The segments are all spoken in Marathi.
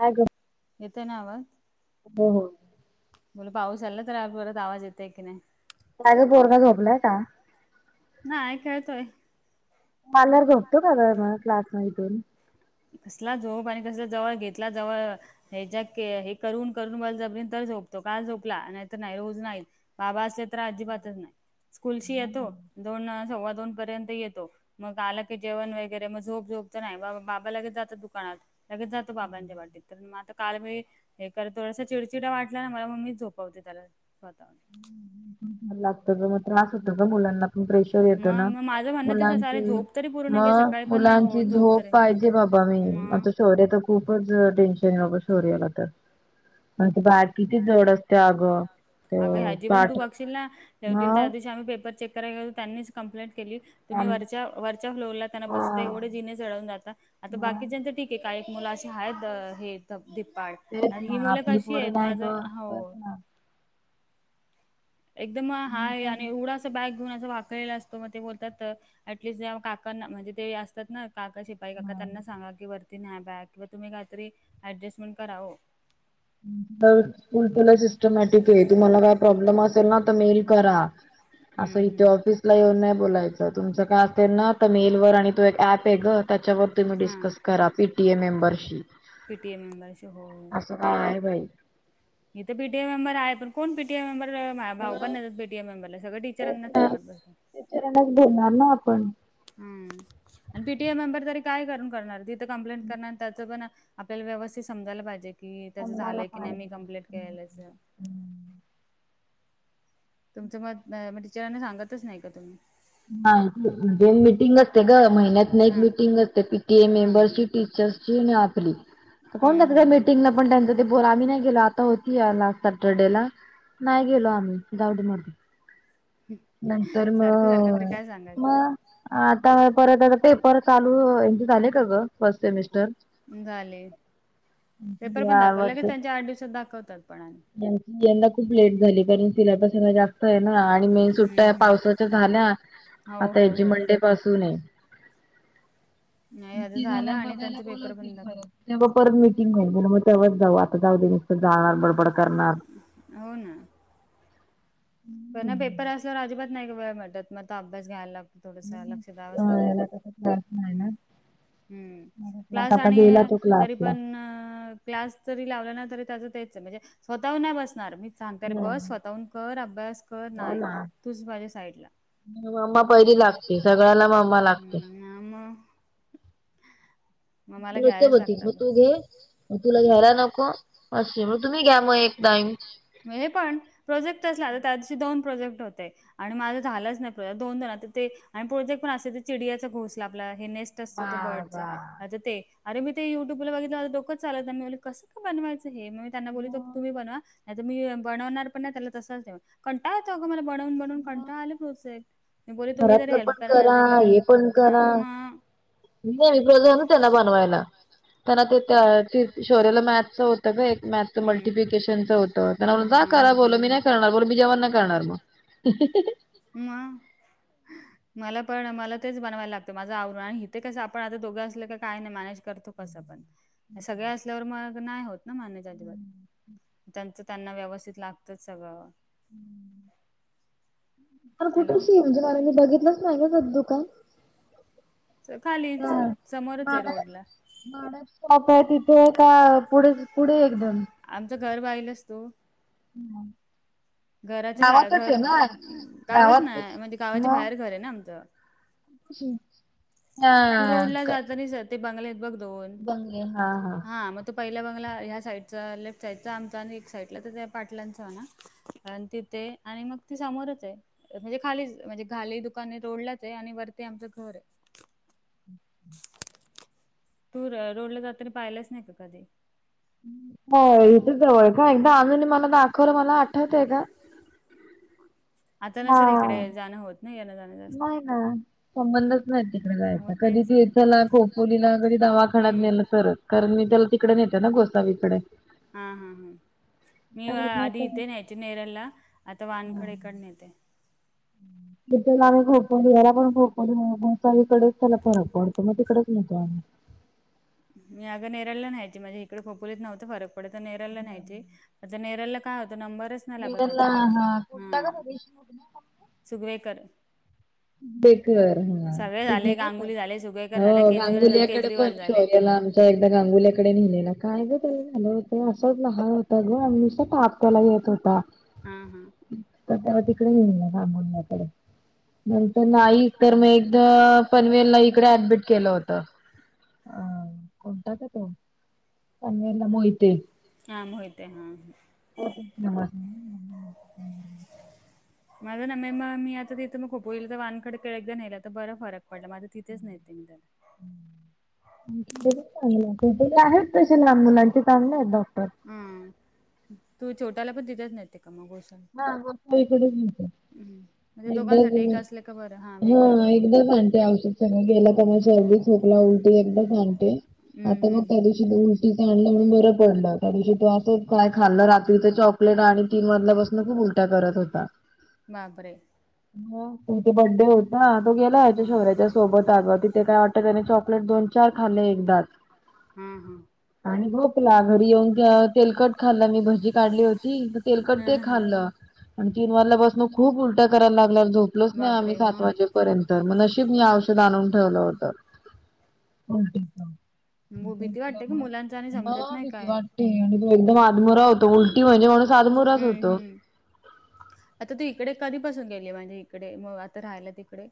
हाय गं. येतंय ना आवाज. हो हो. बोला पाऊस आला तर परत आवाज येतंय की नाही. कायगं पोरगा झोपलाय का? नाय खेळतोय. आल्यावर झोपतो काग मग क्लास मधुन. कसला झोप आणि कसला जवळ घेतला जवळ हे ज्या हे करून करून बळजबरीनं तर झोपतो, काल झोपला नाही तर नाही रोज नाही. बाबा असले तर अजिबातच नाही, स्कूलशी येतो दोन सव्वा दोन पर्यंत येतो. मग आलं की जेवण वगैरे, मग झोप झोपतं नाही मग बाबा बाबा लगेच जातो दुकानात, लगेच जातो बाबांच्या पाठीत, तर मग आता काल मी हे कर थोडासा चिडचिडा वाटला ना मला, मग मीच झोपवते त्याला स्वतः. लागतो ग म त्रास होतो ग मुलांना खुप टेन्शन येतं मग ना, मग माझं म्हणणं तेच असं अरे झोप तरी पूर्ण घे मग सकाळी पण नाही मुलांची होत झोप तरी पाहिजे बाबा, आता मग मी शौर्य तर खूपचं टेन्शन आहे बाबा शौर्य ला तर, म बॅग किती जड अस अगं ह्याची पण तू बघशील ना, एक त्या मग दिवशी आम्ही पेपर चेक करायला गेलो त्यांनीच कंम्प्लेंट केली, तुम्ही आणि वरच्या वरच्या फ्लोअरला त्यांना हा बसुदया, एवढे जिने चढवून जाता, आता मग बाकीच्यांचे ठिक की काय एक मुलं अशी आहेत हे ध धिप्पाड, तेच आणि ही ना मुलं आपली कशी आहेत, पोरं नाही माझं ग तेच हाव् ना एकदम हा मी आय आणि एवढासा बॅग घेऊन असं वाकायला असतो, मग ते बोलतात, ऍटलिस्ट जे काकांना म्हणजे ते असतात ना काका शिपाई काका पण त्यांना सांगा की वरती न्या बॅग, किंवा तुम्ही काही तरी ऍडजस्टमेंट करावं तर स्कुल तर लई‌ सिस्टमॅटिक आहे, तुम्हाला काय प्रॉब्लेम असेल ना तर मेल करा, असं हम्म इथे हम्म ऑफिस ला येऊन नाही बोलायचं. तर तुमचं काय असेल ना तर मेल वर, आणि तो एक अँप य आहे ग त्याच्यावरती तुम्ही हां डीस्कस करा, पीटीए मेंमबरशिप पीटीए मेंबरशी हो असं काय बाई. इथे पीटीए मेंबर आहे पण कोण पीटीआय मेंबरला भाव पण मग नाही देत पीटीआय मेंबरला, सगळं टीचरांनाच सांगत बसतात. धरणार ना आपण. हम्म. आणि पीटीआय मेंबर तरी काय करून करणार तिथं कम्प्लेंट करणार त्याचं पण आपल्याला व्यवस्थित समजायला पाहिजे की त्याचं समजायला झालंय की नाही मी पाहिजे कमप्लेट केलेलंचे. [inaudible] तुमचं मत म्हणजे टीचरांना सांगतच नाही का तुम्ही? ना मिटिंग असते गं महिन्यात न एक हा मिटिंग असते पीटीएम हा हा मेंबरसि. सचिने आपली कोण जातंय हम्म गं हम्म मीटींगला पण् त्यांन बोल आम्ही नाही गेलो आता होती या लास्ट सॅटरडे ला. नाही गेलो आम्ही जाऊदे मरू दे. नंतर सारखं सारखं मग तरी काय मग सांगायचं‌. आता परत आता पेपर चालू ए झाले का गं फर्स्ट सेमिस्टर? झाले. पेपर पण या दाखवले वर्षी त्यांच्या आठ दिवसात दाखवतात पणा यंदा खूप लेट झाली कारण तिलापसना जास्त आहे ना आणि म सुट्ट्या हम्म हम्म पावसाच्या झाल्या हो आता हो ह्याची हो मंडे पासून आहे. नाही ह्याचं ती झालं झाला आणि बघायला त्यांचं पेपर बोलवतील पण दाखव परत‌. तेव्हा परत मीटिंग होईल मग तेव्हाच जाऊ आता जाऊ दे मसतर जाणार बडबड करणार. हो ना. पण ना पेपर असल्यावर अजिबात नाही वेळ भेटत मग त अभ्यास घ्यायला लागतो थोडस लक्ष द्यावच हा, लागतो. याला तसा त्रास नाही हम. ना. हम्म. क्लास आता आणि गेला तो तरी क्लासला. पण् अ् क्लास जरी लावला ना तरी त्याच तेचं हाय. म्हणजे स्वतःहून नाही बसणार मी सांगते अरे बस हम्म. स्वतःहून कर अभ्यास. कर हो नाही ना तूच पाहिजे साईड ला. मम्मा पहिली पप्पा ची लागते जागा सगळ्याला मम्मा सगळ्यांना लागते मोबाईल. आम‌. नुस्ते बोलती मग तू घे. मग तुला हा घ्यायला नको अशी मग तुम्ही घ्या मग एक टाईम. पण हे पण प्रोजेक्ट तसला तर त्या दिवशी दोन प्रोजेक्ट होते. आणि माझं झालंच नाही दोन दोन तर ते आणि पुढत एक पण अस चिडियाचा घोसला आपला हे नेस असत बर्डच बाबा. ते अे मी ते युट्यूब ला बघितल डोकच चालत नाही कस बनवायचं हे मग मी त्यांना बोलितो तुम्ही बनवा नाही म् बनवणार पण नाही त्याला तसंच ठ कंटाळा येतो अगं मला बनवून बनवून कंटाळा आला प्रोसेक्ट. मी बोले तुम्ही ज घरातलं पण हेल्प करा ना ते करा. हा मग? नाही प्रोजान त्यांना बनवायला. त्यां ते शौरयला मॅथचं होतं का एक मॅथच मॅच मल्टिप्लिकेशन होत. त्यां होतं करा बोल मी नाही करणार बोल मी जेव्न नाही करणार मग. म. मला पण मला तेच बनवायला लागतं माझं आवरण आणि इथे कसं आपण आता दोघं असलं काय नाही मॅ तो कस पण सगळ असल्यावर मग नाही होत ना मॅनेज अजिबात. त्यांचं त्यांना व्यवस्थित लागत सगळं. [inaudible] कार हॅलो कुठेशी म्हणजे मला मी बघितलंच नाही का स दु कान. खालीच समोरच आहे रोड ला. माड सॉप आहे तिथे का पुढे पुढे एकदम. आमचं घर बाहिल असतो. नाही. घराच्या घर गावात ना म्हणजे गावाच्या बाहेर घर आहे ना आमचं. हम्. तू रोडला जातानीच हयात, ते बंगले हायत बघ दोन बंगले हा हा मग पहिला बंगला ह्या साईडचा लेफ्ट साईडचा आमचा आणि एक साईडला तर त्या पाटलांचाना कारण तिथे आणि मग ती सामोरच आहे म्हणजे खालीच म्हणजे खाली दुकानने रोडलाच आहे आणि वरती आमचं घर हय. तू रोडला जाताना पाहिलच नाय का कधी? हो, इथं जवळ हाय का? एकदा अनुन मला दाखवलं मला आठवतय गं. आता न सर हा इकडे जाणं होत ना येणं जाणं? जास्त. नाही ना, संबंध नाही तिकडे हो जायचं. कधी तेच ना तीर्थला, खोपोलीला कधी दवाखान्यात हम्म. नेलं तरच. कारण मी त्याला तिकडे नेते ना गोसावीकडे. हा, हा, हं. मी अरे नाही आधी तर काय. इथे न्यायचे नेरलला आता हा. वानखडेकडे नेते. [unintelligible] इकडेच त्याला फरक पडतो, मग तिकडेच नेतो आम्ही. मी अगं नेरळला न्याचे म्हणजे इकडे खोपोलीत नव्हतं फरक पडत तर नेरळला न्याहचे. आता नेरळला काय होतं नंबरच नाय लागत निगलला अजिबात. हा कुठला हां. का रेशमग ना सुगवेकर. बेकर, हां सगळे ते झाले झालंत, गांगुली झाले सुगवेकर हो झाले केजरीवाल गांगुलीकडे पण केजरीवाल झाले शो त्याला आमच्या एकदा गांगुल्याकडे नेलं होतं. काय ग त्याला काय झालं होतं? तो असाच लहान होता गं, नुसता त्याला ताप येत होता. हा हा तर त्याला तिकडे येईन [unintelligible] नंतर नाहीच तर मग एकदा पनवेलला इकडे ऍडमिट केलं होतं. अ कोणता गं तो? पनवेला मोहिते. हां, मोहिते हाह. [unintelligible] माझं ना [unintelligible] मी खोपोलीला वानखडे [unintelligible] बरंच फरक पडला. मग आता तिथेच नेते त्याला. [unintelligible] इथे पण आहेत तसे लहान मुलांचे चांगले आहेत डॉक्टर. हं, तू छोट्याला पण तिथेच नेते का मग गोसावी हां, गोसावी कडेच नेते. म्हणजे एकदा दोघांसाठी गेलो, एक असले का बरं हा हं वेगवेगळा कुठे एकदाच आणते औषध सगळं गेलं की नाय सर्दी खोकला, उलटी एकदाच आणते. हम्म आता हम्म मग त्या हम्म दिवशी त उलटी च आणलं म्हणून बरं पडलं. त्या दिवशी तो असं काय खाल्लं रात्रीच चॉक आणि तीन वाजल्यापासून खूप उलट्या करत होता. बापरे मग तिथं बड्डे होता तो गेला हाच्या हा शौर्यच्या सोबत अगं तिथे काय वाटतं त्याने चॉकलेट दोन चार खाल्ले एकदाच. हां हं. आणि झोपला घरी येऊन त्या तेलकट खाल्ला मी भजी काढली होती तेलकट ते हम्म हम्म. खाल्लं, तीन वाजल्यापासन खूप उलट्या करायला लागला झोपलोच नाही आम्ही बापरे सात मग वाजेपर्यंत. तर मग नशीब मी औषध आणून ठेवलं होत. उलटीच. मु- [unintelligible] भीती वाटते का मुलांच आणि समजत मग नाही भीती काय. वाटते आणि तो एकदम आदमोरा होतो. उल तीन महिने माणूस आद मुराच हम्म होतो. हम्म. आता तू इकडे कधीपसून गेली म्हणजे इकडे मग आता राहायला तिकडे?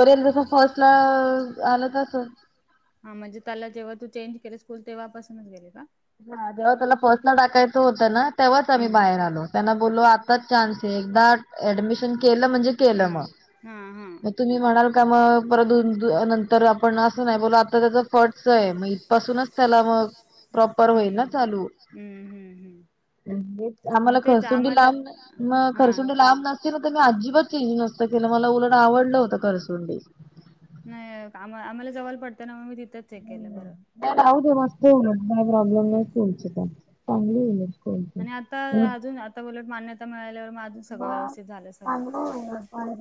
बरेच [unintelligible] आलंच असलं. हां, म्हणजे पहिला जेव्हा तू चेंज केली स्कूल तेव्हापासूनच गेली का? अगं त्याला फर्सला टाकायचं होतं ना तेव्हाच आम्ही हम्म. बाहेर आलो. त्यांना बोललो आताच चान्स आहे एकदाच ऍडमिशन केलं म्हणजे केलं मग. हां हा. मग तुम्ही म्हणाल का मग परत दोन दिवसा नंतर आपण असं नाही बोलला आता त्याचा फट तय मग इथपासूनच त्याला मगं प्रॉपर होईल ना हम्म हम्म चालू. हम्म हम्म. आम्हाला मग तेच खरसुंडी आम्हाला लांब मग हा खरसुंडी हा. लांब नसते ना. तर मी अजिबात तेही नसतं केलं मला उलड आवडलं होतं करसुंडी. नाही आम आम्हाला जवळ पडतं ना. मग मी तिथंच हे केलं बरं. राऊदे. मस्त येऊदेत काय प्रॉब्लेम नाही. हम्म. तुमची तर चांगली येईल. आणि आता अजून आता उलट मान्यता मिळाल्यावर मग अजून सगळं व्यवस्थित झालं सगळं. आम्हाला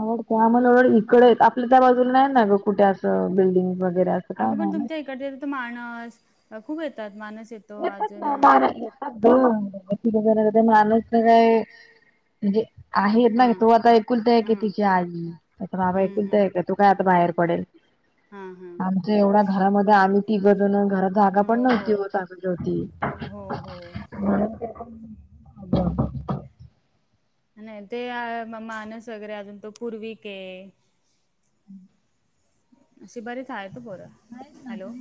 आवडते आम्हला वाटलं. त्या बाजूला नाही आहे ना ग. कुठे असं बिल्डिंग वगैरे असं काय अगं पण नाही नाही. तुमच्या इकडचे माणस खूप येतात मानस येत येतात ना. माणस येतात ग. म्हणजे आहेत ना तो आता ऐकुलत आहे की हम्म त्याच्या आई. आता बाबा एकुलता हम्म एक आहे तो काय आता बाहेर पडेल. हम्म हा हा आमच्या एवढ्या घरामध्ये आम्ही तिघजण घरात जागा पण हो हो. नव्हती होत कागज होती. हो हो नाही. ते मानस वगैरे अजून तो पूर्वीक आहे. अशी बरीच आहेत हा पोर. हॅलो.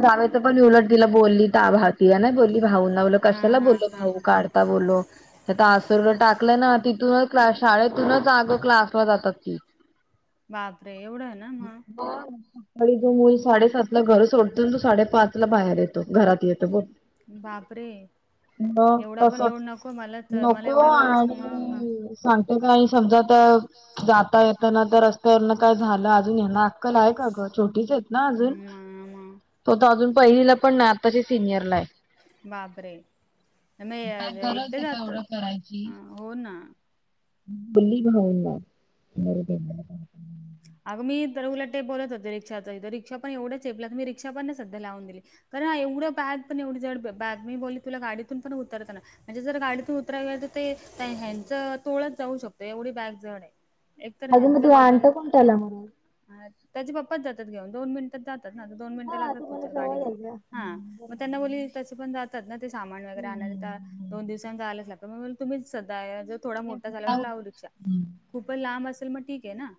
दादाचं पण उलट तिला बोलली ता भाति नाही बोलली भाऊ नावलं हा कशाला हा बोल हा भाऊ हा काल काय बोललो. डान्स टाकलंय ना तिथूनच क शाळेतूनच अग क्लासवर जातात. ह [inaudible] बापरे एवढं ना म्हणून, हो. ते मुल साडेसातला घर सोडतो. आण तो साडेपाच ला बाहेर येतो घरात येतो बोल, बापरे, म एवढा पण तसच लोड नको मला तर मला नको एवढा लोडच ना मग हा आणि सांगतो का आणि समजा तर, जाता येताना बापरे तर रस्त्यावरन काय झालं अजून याना अक्कल आहे का ग. छोटीचीच ना अजून. तो तर अजून पहिलीला नाही पहिल पण आताची सिनियरला नाही. आहे बापरे काय नाही. गरज एकटे आहे का एवढं जातात हो ना. बोली भाऊ ना बर त्या अग मी तर उलटे बोलत होते. रिक्षाच पण रिक्षा तर एवढं चेपलं तर मी रिक्षा पण नाही सध्या लावून दिली. कारण ना एवढं बॅग पण एवढी जड बॅग मी बोलली तुला गाडीतून पण उतरताना. म्हणजे जर गाडीतून उतरा गेल तर ते हॅण्डचं तोळच जाऊ शकतो एवढी बॅग जड आहे. एकतर ह्यांचं वजन चला म्हणायचं. ह त्याचे पप्पाच जातात घेऊन. दोन मिनट टात जातात ना. दोन मिनट हा लागतात तुम्हाला पोहचायला गाडी जवळ घेऊन. आहे ना. ह हम्म बरोबर. मग त्यांना बोलि तसे पण जात तात ना ते सामान वैगरे हम्म. आणायला. तर हम्म, हम्म. दोन दिवसाने जायलाच लागतात मग म्हणले तुम्हीच जायाच. थोडा तेच मोठा ना झाल्यावर जाऊ दे लावू रिक्षा खूपच लांब असेल मग ठीक आहे ना.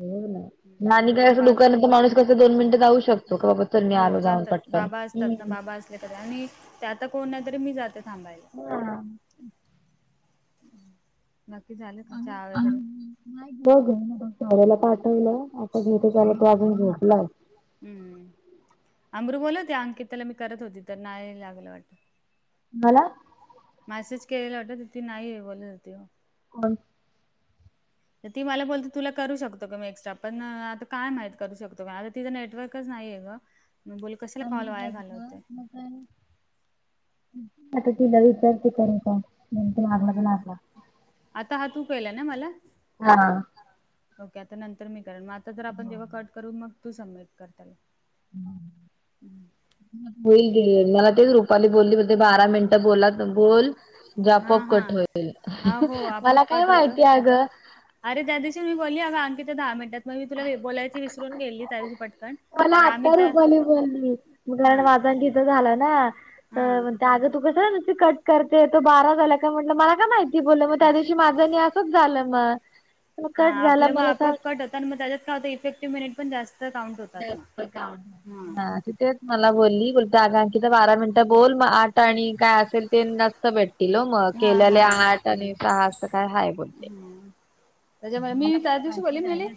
हो ना. आणि काय हम्म असं पाच दुकानात तर माणूस कसं दोन मिनिटं जााऊ शकतो. की बाबा चल मी हो आलो जाऊन जातात पटकन. बाबा असतात ना हम्म. बाबा असले तरी आणि आता कोण नाही तरी मी जाते थांबायला. हा. नक्की झाले ना. आणू चहा आणू वगैरे नाही बघ. नवऱ्याला पाठवलं आता झोपी अजून तो झोपला असल. हम्म हम्म अमरू बोली होते अंकित मी करत होती तर नाही लागलं वाटतं. मला मेसेज केलेला होत ती नाही बोलत होती. बरं तर ती मला बोलते तुला करू शकतो का मी एक्स्ट्रा पण आता काय माहित करू शकतो आता तिच नेटवर्कच नाहीये मग मी बोलले कशाला कॉल वाया अमृताचं ना, घालवते. मग आता तिला विचारते करू का? नेमकं लागला तर हम्म लागला. आता हा तू केला ना मला? हा ओके आता नंतर मी करेल मग आता तर आपण जेव्हा कट करू मग तू सबमिट कर त्याला हम्म होईल घे मला तेच रुपाली बोलली ते बारा मिनटं बोला बोल हा आपोआप हा कट होईल हा हो मला आपोआप काय कट होतं. माहिती आग अरे त्या दिवशी मी बोलली आग आणखी ते दहा मिनिटात मग मी तुला बोलायची विसरून गेली त्या दिवशी पटकन तर आम्ही आत्ता तर रुपाली बोलली हा माझं तिचं झालं ना हा आजं तू कसं कट करते तो बारा झाला काय म्हटलं मला का माहिती बोललं मग त्या दिवशी माझं नाही तसं झालं मग हा कट झाला आपलं मग मला आपोआप असं कट होतं आणि मग त्याच्याच काय होत इफेक्टिव्ह मिनिटं पण जास्त तर डाऊट होतात मग हा तिथेच मला बोलली आग आणखी तर बारा मिनिटं बोल मग आठ आणि काय असेल ते नस्त भेट दिलो मग केलेले आठ आणि सहा काय हाय बोलते हम्म त्याच्यामुळे मी मला मला त्याच दिवशी माहिती बोलले नाही म्हणले ना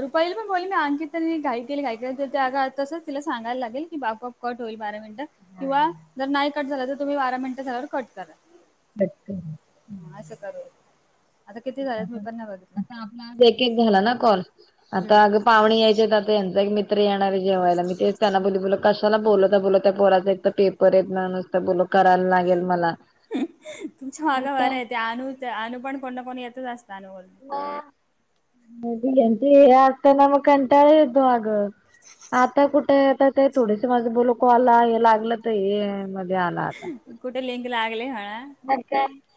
रुपाईला पण बोलले मी अंकितनी घाईक घाय तसंच तिला सांगायला लागेल की बाबा कट होईल बारा मिनिटं किंवा जर नाही कट झालं तर तुम्ही बारा मिनिटं झाल्यावर कट करा पटकन असं करू आता किती झालेत मी पण नाही बघितलं आपला आज एक एक झाला ना कॉल हम्म आता अग पाहणी यायच्या आता यांचा एक मित्र येणार जेवायला मी ते त्यांना बोली बोल कशाला बोलवता बोलता त्या पोराचा एक तर पेपर हेत ना नुसतं बोल करायल लागेल मला. तुमच्या हे मागा बरं काय आहे ते अनू ते अनू पण कोण ना कोण येतच असतं अनू बोल [unintelligible] ह्यांची हे असते न म कंटाळा येतो आ ग. आता कुठं आता ते थोडंस माझं बोलो कॉल ला हे लागलं तर हे माझं हे आला आता कुठे लिंक लागले म्हणा [unintelligible]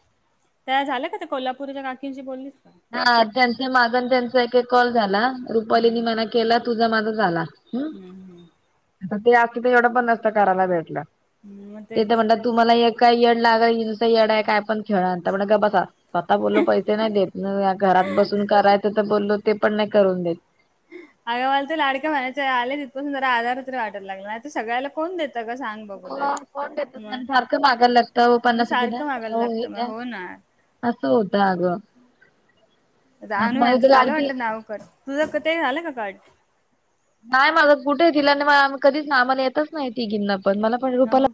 त्या झालं का ते कोल्हापूरच्या काकींशी बोललीस का? हा त्यांच्या माझं त्यांचा एक एक कॉल झाला. रुपालीनी हम्म म्हणा केला तुझा माझा झाला हम्म आता ते असते तर एवढं पण नसतं करायला भेटलं हम्म मग ते तर तेच म्हणतात तुम्हाला ऊक काय येड लागायी नुसतं येडाये काय पण खेळ आणता म्हण गप बसा स्वतः बोल्लो पैसे नाही देत. न या घरात बसून करायचं तर बोललो ते पण नाही करून देत. अग मला ते लाडक्या बहिणाचे आले तिथुन जरा आधार तरी वाटायला लागला नाही तर सगळ्याला कोन देत सगळं सांग बघू देत मग कोण मग देतं? सारखं मागायला लागतं ओ म्हणून पन्नास रुपये द्या सारखं मागायला ओ हे लागतं द्या मग हो ना. असं होत आग. रानू यांचं झालं लाडकी वाटतं नाव कट, तुझ कटे झालं का कट? नाही माझं कुठे तिला न मला आम्हाला कधीच ना आम्हाला येतच नाही तीघींना पण मला पण रुपाला हो